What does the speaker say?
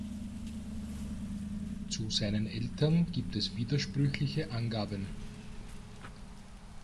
Zu seinen Eltern gibt es widersprüchliche Angaben.